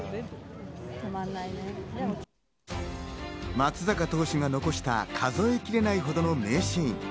松坂投手が残した数え切れないほどの名シーン。